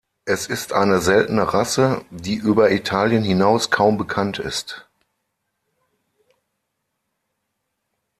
Es ist eine seltene Rasse, die über Italien hinaus kaum bekannt ist.